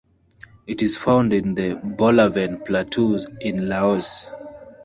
It is found in the Bolaven Plateau in Laos.